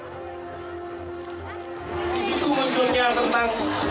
siku menjualnya tentang pertemuan bung tomo dengan kiai hasim